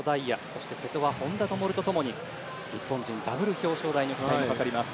そして瀬戸は、本多灯と共に日本人ダブル表彰台の期待もかかります。